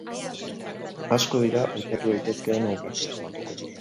Asko dira aipatu daitezkeen obrak.